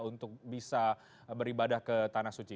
untuk bisa beribadah ke tanah suci